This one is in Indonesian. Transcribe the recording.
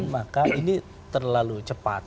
maka ini terlalu cepat